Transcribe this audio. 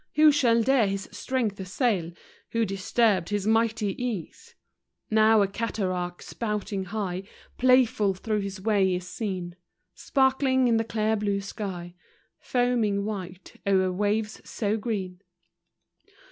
Who shall dare his strength assail; Who disturb his mighty ease ? Now a cataract spouting high, Playful, through his way is seen; Sparkling in the clear blue sky, Foaming white o'er w r aves so green.